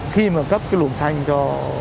khi mà cấp cái luồng xanh cho